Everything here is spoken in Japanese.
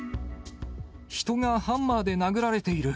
人がハンマーで殴られている。